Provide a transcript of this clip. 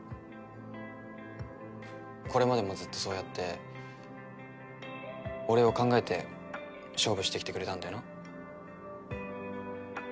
これまでもずっとそうやって俺を考えて勝負してきてくれたんだよな？